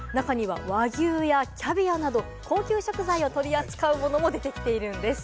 中には和牛やキャビアなど、高級食材を取り扱うものも出てきているんです。